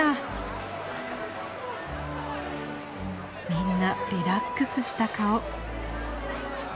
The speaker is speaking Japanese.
みんなリラックスした顔。